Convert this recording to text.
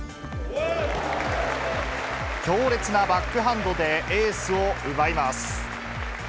強烈なバックハンドで、エースを奪います。